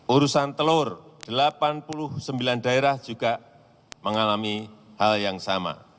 urusan telur delapan puluh sembilan daerah juga mengalami hal yang sama